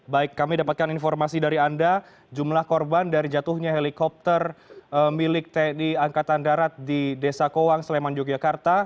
baik kami dapatkan informasi dari anda jumlah korban dari jatuhnya helikopter milik tni angkatan darat di desa kowang sleman yogyakarta